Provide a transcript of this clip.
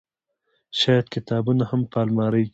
شايد کتابونه هم په المارۍ کې